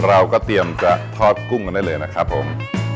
เราก็เตรียมจะทอดกุ้งกันได้เลยนะครับผม